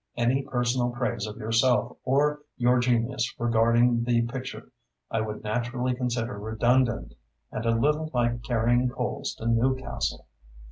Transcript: Any personal praise of yourself or your genius regarding the picture I would naturally consider redundant and a little like carrying coals to Newcastle....